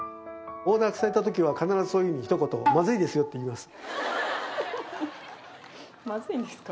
オーダーされた時は必ずそういうふうにひと言まずいですよって言います。